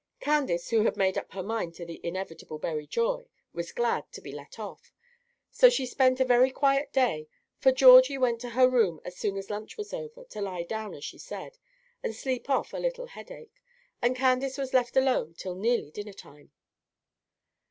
Candace, who had made up her mind to the inevitable Berry Joy, was glad to be let off; so she spent a very quiet day, for Georgie went to her room as soon as lunch was over, to lie down, as she said, and sleep off a little headache, and Candace was left alone till nearly dinner time.